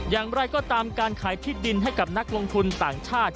อย่างไรก็ตามการขายที่ดินให้กับนักลงทุนต่างชาติ